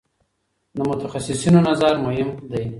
د متخصصینو نظر مهم دی.